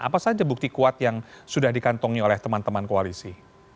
apa saja bukti kuat yang sudah dikantongi oleh teman teman koalisi